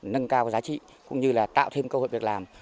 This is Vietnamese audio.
nâng cao giá trị cũng như là tạo thêm cơ hội việc làm